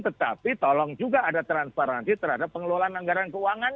tetapi tolong juga ada transparansi terhadap pengelolaan anggaran keuangan